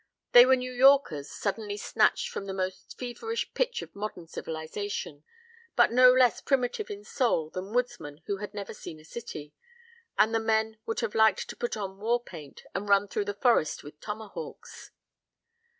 They were New Yorkers suddenly snatched from the most feverish pitch of modern civilization, but no less primitive in soul than woodsmen who had never seen a city, and the men would have liked to put on war paint and run through the forest with tomahawks.